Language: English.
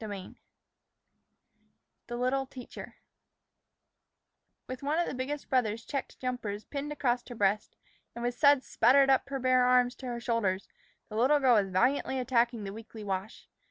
XVIII THE LITTLE TEACHER WITH one of the biggest brother's checked jumpers pinned across her breast, and with suds spattered up her bare arms to her shoulders, the little girl was valiantly attacking the weekly wash.